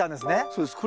そうです。